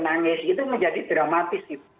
nangis itu menjadi dramatis